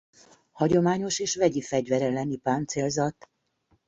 Hagyományos és vegyi fegyver elleni páncélzat.